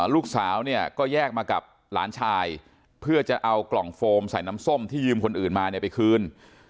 ลูกสาวเนี่ยก็แยกมากับหลานชายเพื่อจะเอากล่องโฟมใส่น้ำส้มที่ยืมคนอื่นมาเนี่ยไปคืน